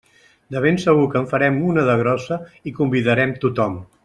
De ben segur que en farem una de grossa i convidarem tothom.